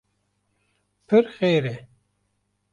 pir xêr e